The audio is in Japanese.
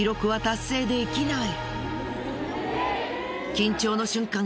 緊張の瞬間